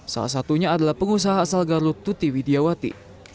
salah satunya adalah pengusaha asal garut tuti widiawati